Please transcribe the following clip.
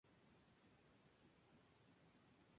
Este álbum sería el último producido por Jimmy Miller.